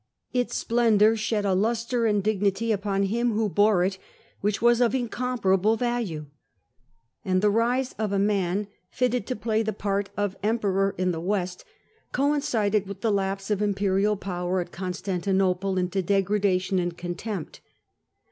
Its splendour shed a lustre and dignity upon him who bore it, which was of incomparable value. And the rise of a man fitted to play the part of emperor in the West, coincided with the lapse of im perial power at Constantinople into degradation and contempt.